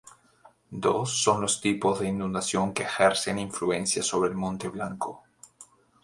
Dos son los tipos de inundación que ejercen influencia sobre el monte blanco.